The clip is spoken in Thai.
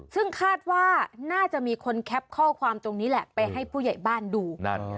ซึ่งคาดว่าน่าจะมีคนแคปข้อความตรงนี้แหละไปให้ผู้ใหญ่บ้านดู